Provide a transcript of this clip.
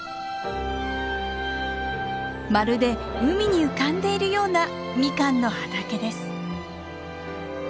まるで海に浮かんでいるようなミカンの畑です。